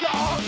ya udah bang